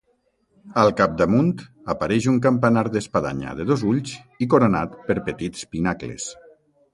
Al capdamunt apareix un campanar d'espadanya de dos ulls i coronat per petits pinacles.